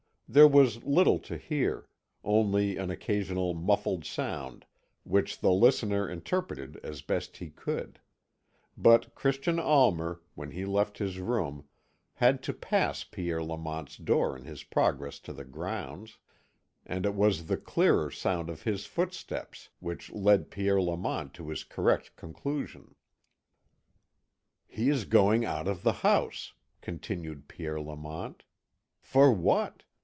There was little to hear, only an occasional muffled sound which the listener interpreted as best he could; but Christian Almer, when he left his room, had to pass Pierre Lamont's door in his progress to the grounds, and it was the clearer sound of his footsteps which led Pierre Lamont to his correct conclusion. "He is going out of the house," continued Pierre Lamont. "For what?